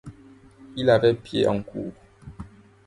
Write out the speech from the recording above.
Il avait pied en cour.